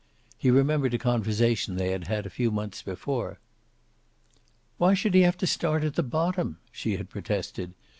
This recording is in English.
He remembered a conversation they had had a few months before. "Why should he have to start at the bottom?" she had protested.